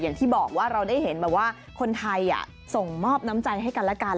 อย่างที่บอกว่าเราได้เห็นแบบว่าคนไทยส่งมอบน้ำใจให้กันและกัน